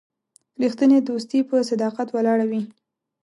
رښتینی دوستي په صداقت ولاړه وي.